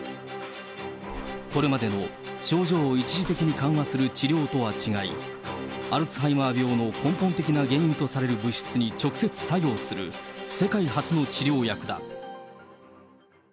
これまでの症状を一時的に緩和する治療とは違い、アルツハイマー病の根本的な原因とされる物質に直接作用する世界初の治療薬だ。